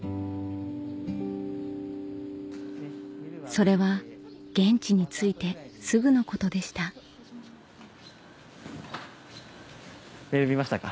それは現地に着いてすぐのことでしたメール見ましたか？